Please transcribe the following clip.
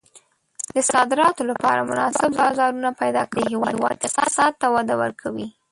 د صادراتو لپاره مناسب بازارونه پیدا کول د هېواد اقتصاد ته وده ورکوي.